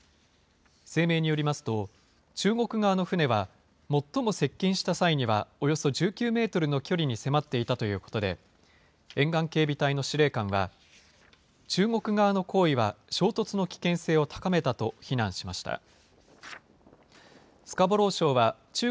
声明によりますと、中国側の船は、最も接近した際には、およそ１９メートルの距離に迫っていたということで、沿岸警備隊の司令官は、中国側の行為は衝突の危険性を高めたと非難しました。